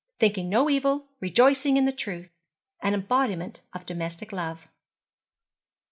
thinking no evil, rejoicing in the truth an embodiment of domestic love.